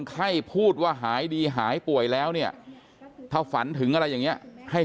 ไข้พูดว่าหายดีหายป่วยแล้วเนี่ยถ้าฝันถึงอะไรอย่างนี้ให้